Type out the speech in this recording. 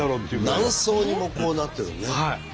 何層にもなってるのね。